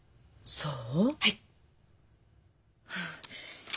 そう。